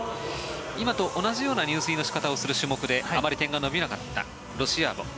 今と同じような入水をする種目であまり点が伸びなかったロシアーボ。